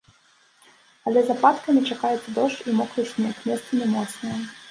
Але з ападкамі, чакаецца дождж і мокры снег, месцамі моцныя.